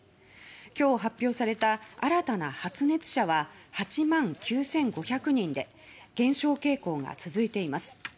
今日発表された新たな発熱者は８万９５００人で減少傾向が続いています。